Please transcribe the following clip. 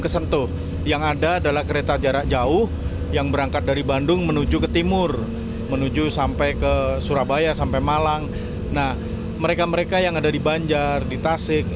surabaya sampai malang mereka mereka yang ada di banjar di tasik